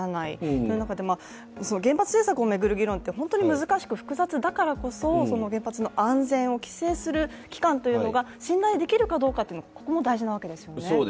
その中で原発政策を巡る議論って難しく複雑だからこそ原発の安全を規制する機関というのが信頼できるかどうかというのは大事なわけですよね。